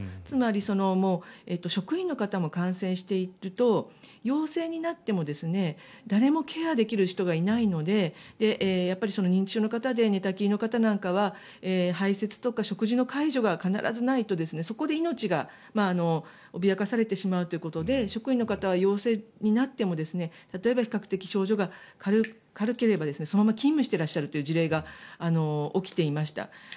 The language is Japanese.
つまり職員の方も感染していると陽性になっても誰もケアできる人がいないので認知症の方で寝たきりの方なんかは排せつとか食事の介助が必ずないとそこで命が脅かされてしまうということで職員の方は陽性になっても例えば、比較的症状が軽ければそのまま勤務しているという事例が起きていました。